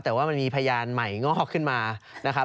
แต่ว่ามันมีพยานใหม่งอกขึ้นมานะครับ